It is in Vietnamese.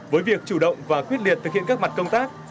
với việc chủ động và quyết liệt thực hiện các mặt công tác